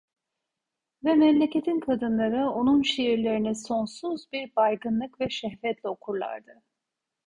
Ve memleketin kadınları onun şiirlerini sonsuz bir baygınlık ve şehvetle okurlardı.